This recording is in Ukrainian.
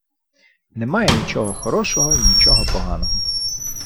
Немає нічого хорошого й нічого поганого.